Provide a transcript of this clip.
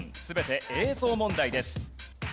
全て映像問題です。